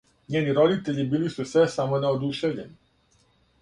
Њени родитељи били су све само не одушевљени.